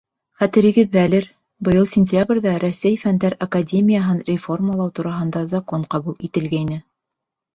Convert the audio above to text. Хәтерегеҙҙәлер, быйыл сентябрҙә Рәсәй Фәндәр академияһын реформалау тураһындағы закон ҡабул ителгәйне.